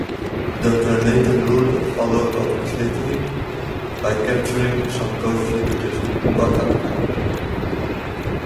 The Ternatan ruler followed up his victory by capturing some coast villages in Bacan.